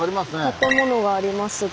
建物がありますが。